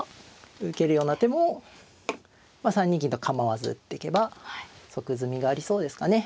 受けるような手もまあ３二金と構わず打ってけば即詰みがありそうですかね。